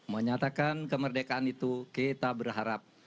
menyatakan kemerdekaan itu kita berharap